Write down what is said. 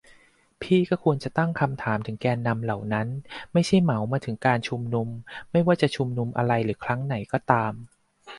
พี่ก็ควรจะตั้งคำถามถึงแกนนำเหล่านั้น ไม่ใช่เหมามาถึงการชุมนุม ไม่ว่าจะชุมนุมอะไรหรือครั้งไหนก็ตาม